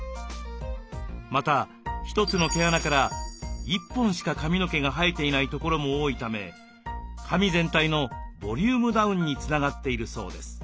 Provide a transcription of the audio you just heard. また一つの毛穴から１本しか髪の毛が生えていないところも多いため髪全体のボリュームダウンにつながっているそうです。